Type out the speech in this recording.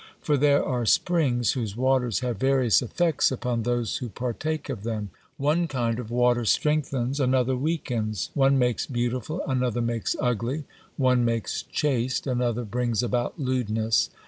For there are springs whose waters have various effects upon those who partake of them. One kind of water strengthens, another weakens; one makes beautiful, another makes ugly; one makes chaste, another brings about lewdness.